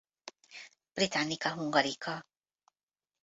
Britannica Hungarica